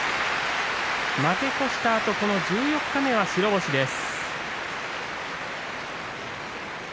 負け越したあとの十四日目は白星です。